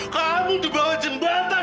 kamu di bawah jembatan